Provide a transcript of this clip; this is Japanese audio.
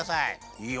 いいよ。